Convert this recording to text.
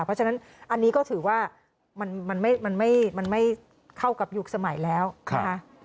เพราะฉะนั้นอันนี้ก็ถือว่ามันไม่เข้ากับยุคสมัยแล้วนะคะ